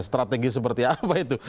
strategi seperti apa itu